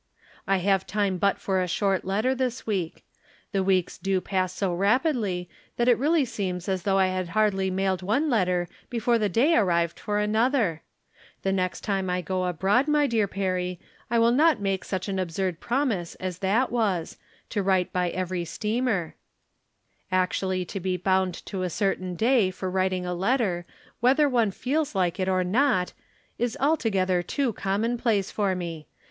I have time but for a short letter this week. The weeks do pass so rapidly that it really seems as though I had hardly mailed one letter before the day arrived for another. The next time I go abroad, my dear Perry, I will not make such an absurd promise as that was, to write by every steamer ; actually to be bound to a certain day for writing a letter, whether one feels like it or not, is altogether too commonplace for me.